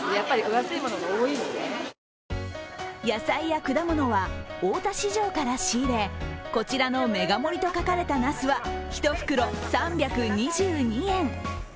野菜や果物は大田市場から仕入れこちらのメガ盛りと書かれたなすは一袋３２２円。